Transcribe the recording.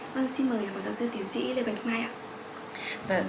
vâng xin mời phó giáo sư tiến sĩ lê bạch mai ạ